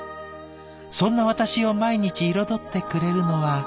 そんな私を毎日彩ってくれるのは」。